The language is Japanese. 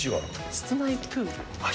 室内プール？